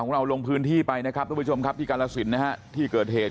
ของเรารงพื้นที่ไปที่กาลสินที่เกิดเหตุ